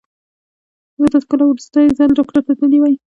تاسو کله وروستی ځل ډاکټر ته تللي وئ؟